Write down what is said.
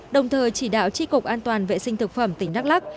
đồng thời chỉ đạo tri cục an toàn vệ sinh thực phẩm tỉnh đắk lắc